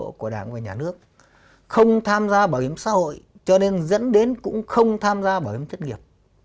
hỗ trợ của đảng và nhà nước không tham gia bảo hiểm xã hội cho nên dẫn đến cũng không tham gia bảo hiểm thất nghiệp